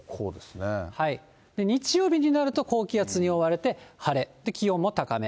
日曜日になると高気圧に覆われて晴れ、気温も高め。